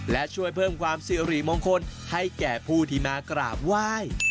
และช่วยเพิ่มความสิริมงคลให้แก่ผู้ที่มากราบไหว้